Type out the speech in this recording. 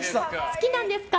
好きなんですか？